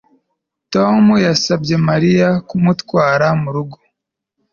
Tom yasabye Mariya kumutwara mu rugo